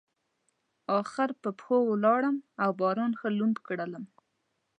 اخر په پښو لاړم او باران ښه لوند کړلم.